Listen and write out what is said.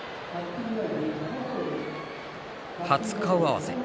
初顔合わせ。